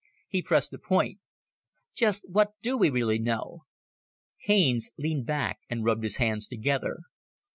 He pressed the point. "Just what do we really know?" Haines leaned back and rubbed his hands together.